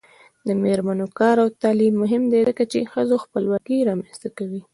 د میرمنو کار او تعلیم مهم دی ځکه چې ښځو خپلواکي رامنځته کوي.